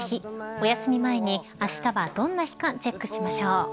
おやすみ前に、あしたはどんな日かチェックしましょう。